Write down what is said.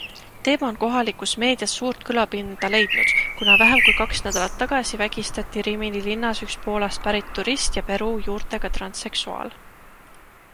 Teema on kohalikus meedias suurt kõlapinda leidnud, kuna vähem kui kaks nädalat tagasi vägistati Rimini linnas üks Poolast pärit turist ja Peruu juurtega transseksuaal.